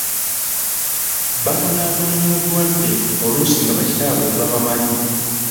Babonaabona n'obulwadde oluusi nga ba kitaabwe tebabamanyi.